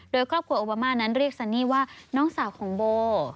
โดยครอบครัวโอบามานั้นเรียกซันนี่ว่าน้องสาวของโบ